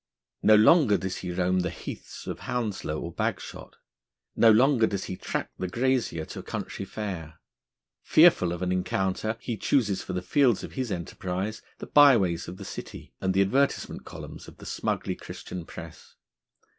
No longer does he roam the heaths of Hounslow or Bagshot; no longer does he track the grazier to a country fair. Fearful of an encounter, he chooses for the fields of his enterprise the byways of the City, and the advertisement columns of the smugly Christian Press.